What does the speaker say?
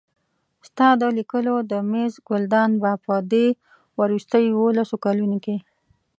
ستا د لیکلو د مېز ګلدان به په دې وروستیو یوولسو کلونو کې.